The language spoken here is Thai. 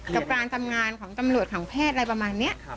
กับการทำงานของตำรวจของแพทย์อะไรประมาณนี้